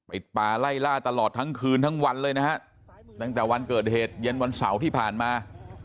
ป่าไล่ล่าตลอดทั้งคืนทั้งวันเลยนะฮะตั้งแต่วันเกิดเหตุเย็นวันเสาร์ที่ผ่านมา